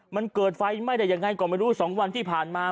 มันเกิดไฟไหม้ได้ยังไงก็ไม่รู้๒วันที่ผ่านมา